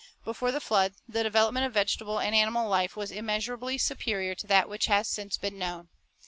Before the flood, the development of vegetable and animal life was immeasurably superior to that which has since been known.